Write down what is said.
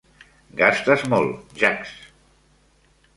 Gastes molt, Jax.